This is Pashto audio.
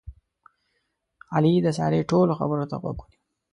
علي د سارې ټولو خبرو ته غوږ و.